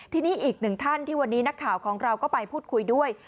ทีนี้อีกหนึ่งท่านที่วันนี้นักข่าวของเราก็ไปพูดคุยด้วย